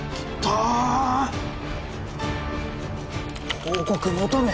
報告求む。